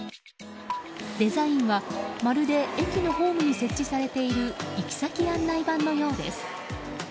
デザインはまるで駅のホームに設置されている行き先案内板のようです。